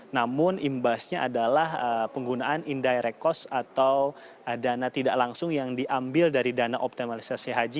namun imbasnya adalah penggunaan indirect cost atau dana tidak langsung yang diambil dari dana optimalisasi haji